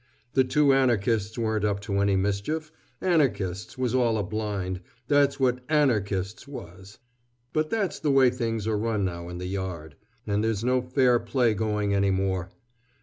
The two Anarchists weren't up to any mischief 'Anarchists' was all a blind, that's what 'Anarchists' was. But that's the way things are run now in the Yard, and there's no fair play going any more.